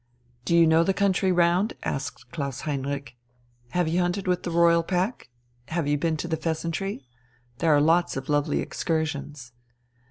"Do you know the country round?" asked Klaus Heinrich. "Have you hunted with the Royal pack? Have you been to the 'Pheasantry'? There are lots of lovely excursions."